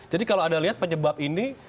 jadi kalau ada lihat penyebab ini